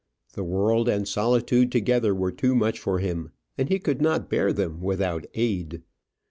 The world and solitude together were too much for him, and he could not bear them without aid.